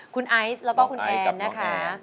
คุณไอ๓๘๐๐และก็คุณแอนน่ะ